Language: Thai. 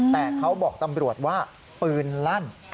แต่เขาบอกตำรวจว่าปืนลั่น